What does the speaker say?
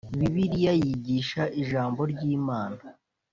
bibiliya yigisha ijambo ryimana.